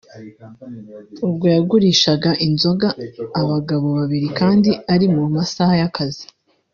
ubwo yagurishaga inzoga abagabo babiri kandi ari mu masaha y’akazi